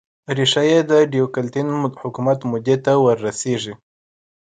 ریښه یې د ډیوکلتین حکومت مودې ته ور رسېږي